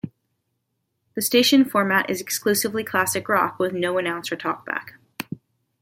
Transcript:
The station format is exclusively classic rock, with no announcer talkback.